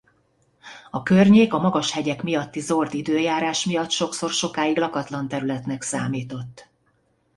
A környék a magashegyek miatti zord időjárás miatt sokszor sokáig lakatlan területnek számított.